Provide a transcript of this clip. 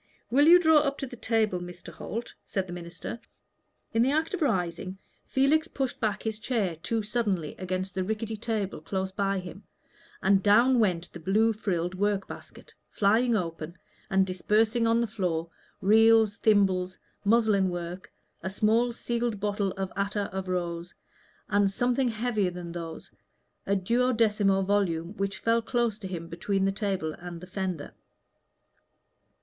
"Will you draw up to the table, Mr. Holt?" said the minister. In the act of rising, Felix pushed back his chair too suddenly against the rickety table close by him, and down went the blue frilled work basket, flying open, and dispersing on the floor reels, thimble, muslin work, a small sealed bottle of attar of rose, and something heavier than these a duodecimo volume which fell near him between the table and the fender.